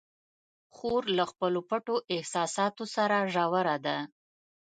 خور له خپلو پټو احساساتو سره ژوره ده.